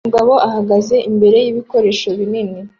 Umugabo ahagaze imbere yibikoresho binini